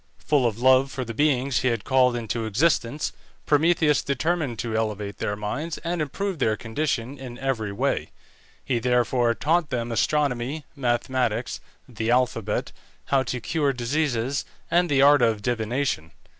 Full of love for the beings he had called into existence, Prometheus determined to elevate their minds and improve their condition in every way; he therefore taught them astronomy, mathematics, the alphabet, how to cure diseases, and the art of divination.